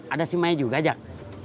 ada si maya juga jak